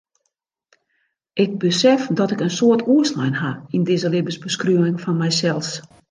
Ik besef dat ik in soad oerslein ha yn dizze libbensbeskriuwing fan mysels.